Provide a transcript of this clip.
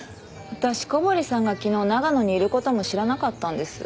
私小堀さんが昨日長野にいる事も知らなかったんです。